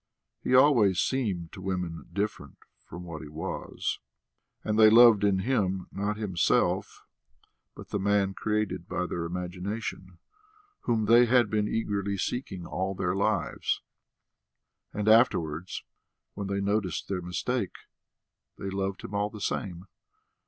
He always seemed to women different from what he was, and they loved in him not himself, but the man created by their imagination, whom they had been eagerly seeking all their lives; and afterwards, when they noticed their mistake, they loved him all the same.